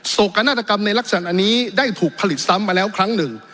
โศกนาฏกรรมในลักษณะนี้ได้ถูกผลิตซ้ำมาแล้วครั้งหนึ่ง